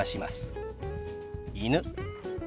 「犬」。